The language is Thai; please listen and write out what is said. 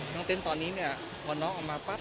เต้นตอนนี้เนี่ยพอน้องออกมาปั๊บ